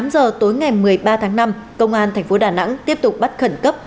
tám giờ tối ngày một mươi ba tháng năm công an tp đà nẵng tiếp tục bắt khẩn cấp